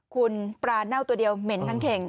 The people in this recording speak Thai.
คุณปลาเน่าตัวเดียวเหม็นทั้งเข่ง